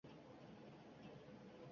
Vidolashish uchun katta uyga kirdik